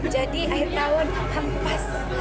jadi akhir tahun hampas